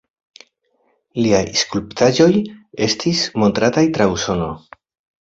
Liaj skulptaĵoj estis montrataj tra Usono.